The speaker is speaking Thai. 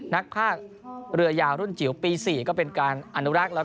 นักภาคเรือยาวรุ่นจิ๋วปี๔ก็เป็นการอนุรักษ์แล้ว